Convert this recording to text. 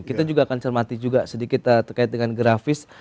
kita juga akan cermati juga sedikit terkait dengan grafis